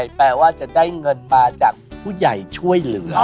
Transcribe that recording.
แล้วการเงินล่ะคะอาจารย์คะ